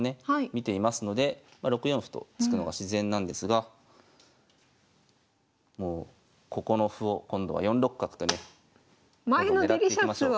見ていますので６四歩と突くのが自然なんですがもうここの歩を今度は４六角とねどんどん狙っていきましょう。